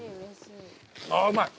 ああうまい。